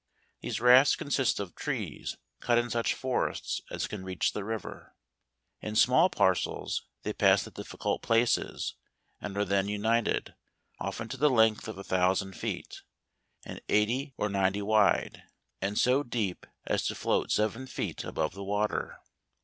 These rafts consist of trees, cut in such forests as can reach the river. In small parcels they pass the difficult places, and are then united; often to the length of a thousand feet, and 80 or 90 wide ; and so deep, as to float seven feet above the water.